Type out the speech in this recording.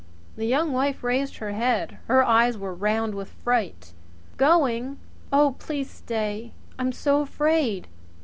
The Young Wife raised her head. Her eyes were round with fright. "Going! Oh, please stay! I'm so afraid.